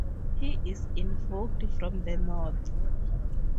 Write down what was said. He is invoked from the North.